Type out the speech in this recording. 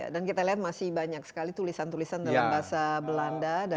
dan kita lihat masih banyak sekali tulisan tulisan dalam bahasa belanda